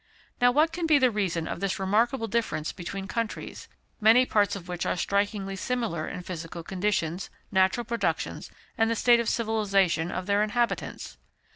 Now, what can be the reason of this remarkable difference between countries, many parts of which are strikingly similar in physical conditions, natural productions, and the state of civilization of their inhabitants?